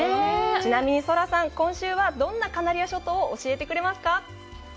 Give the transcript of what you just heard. ちなみにソラさん、今週はどんなカナリア諸島を教えてくれますか？